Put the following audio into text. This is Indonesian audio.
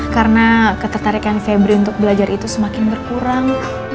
karena ketertarikan febri untuk belajar itu semakin berkurang